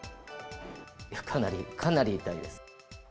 かなり、かなり痛いです。